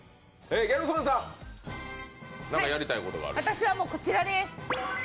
私はこちらです！